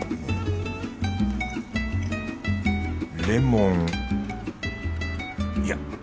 レモン。